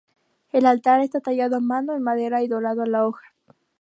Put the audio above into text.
El altar está tallado a mano en madera y dorado a la hoja.